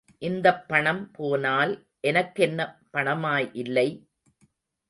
இந்தப் பணம் போனால் எனக்கென்ன பணமா இல்லை.